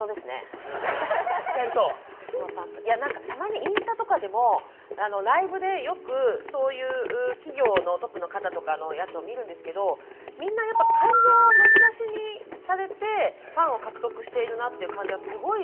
いや何かたまにインスタとかでもライブでよくそういう企業のトップの方とかのやつを見るんですけどみんなやっぱ感情をむき出しにされてファンを獲得しているなっていう感じがすごいあるんですよね。